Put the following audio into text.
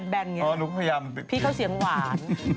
สนับสนุนโดยดีที่สุดคือการให้ไม่สิ้นสุด